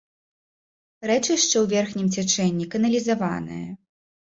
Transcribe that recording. Рэчышча ў верхнім цячэнні каналізаванае.